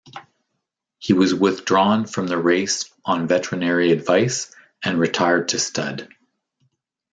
He was withdrawn from the race on veterinary advice and retired to stud.